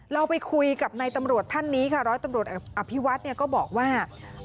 เราไปคุยกับนายตำรวจท่านนี้ค่ะร้อยตำรวจอภิวัฒน์ก็บอกว่า